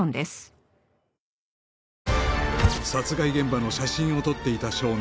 殺害現場の写真を撮っていた少年